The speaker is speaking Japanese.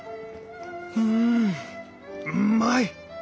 うんうまい！